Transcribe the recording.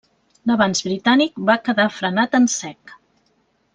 L'avanç britànic va quedar frenat en sec.